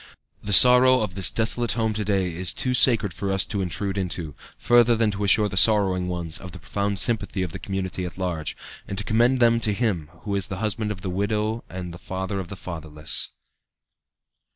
The sorrow of this desolate home to day is too sacred for us to intrude into, further than to assure the sorrowing ones of the profound sympathy of the community at large, and to commend them to Him who is the husband of the widow and the father of the fatherless.